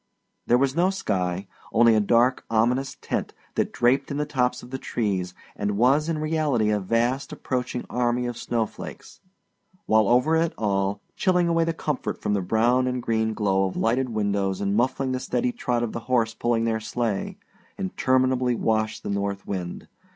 There was no sky only a dark, ominous tent that draped in the tops of the streets and was in reality a vast approaching army of snowflakes while over it all, chilling away the comfort from the brown and green glow of lighted windows and muffling the steady trot of the horse pulling their sleigh, interminably washed the north wind.